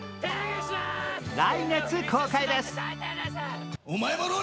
来月公開です。